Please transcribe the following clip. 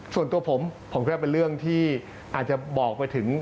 ส่วนตัวผมผมคิดว่าเป็นเรื่องที่อาจจะบอกไปถึง